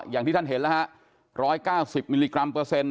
อย่างที่ท่านเห็นแล้วฮะ๑๙๐มิลลิกรัมเปอร์เซ็นต